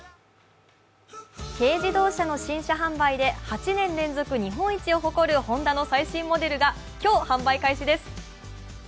軽自動車の新車販売で８年連続日本一を誇るホンダの最新モデルが今日、販売開始です。